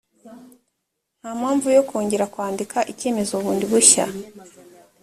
nta mpamvu yo kongera kwandika icyemezo bundi bushya